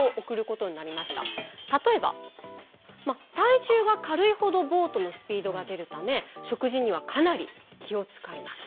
例えば体重が軽いほどボートのスピードが出るため食事にはかなり気を遣います。